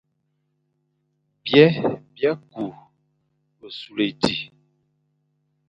Byè bia kü besule éti,